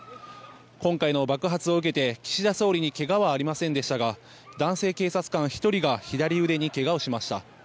今回の爆発を受けて岸田総理に怪我はありませんでしたが男性警察官１人が左腕に怪我をしました。